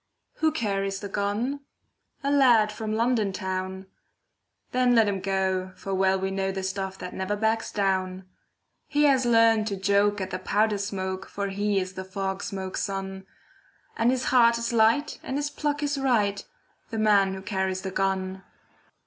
Who carries the gun? A lad from London town. Then let him go, for well we know The stuff that never backs down. He has learned to joke at the powder smoke, For he is the fog smoke's son, And his heart is light and his pluck is right— The man who carries the gun.